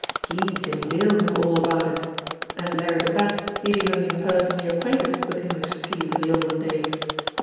He, Jimmie Dale, knew all about it. As Larry the Bat he had even been personally acquainted with English Steve in the olden days.